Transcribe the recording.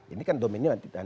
ini kan domennya nanti tahan